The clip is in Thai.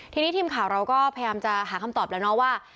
ทีนี้ทีมข่าวเราก็พยายามจะหาคำตอบแล้วนะว่า